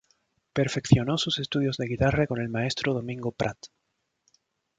Perfeccionó sus estudios de guitarra con el maestro Domingo Prat.